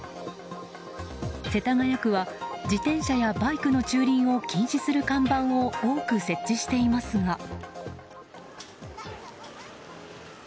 世田谷区は自転車やバイクの駐輪を禁止する看板を多く設置していますが。